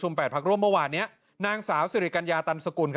ดูแล้วก็โร่เย็นบัตเตอร์ไฟร่ามซีล